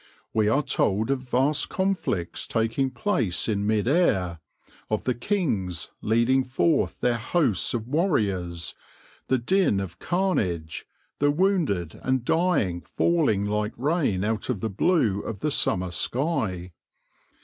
We are told of vast conflicts taking place in mid air, of the kings leading forth their hosts oi warriors — the din of carnage — the wounded and dying falling like rain out of the blue of the summei sky.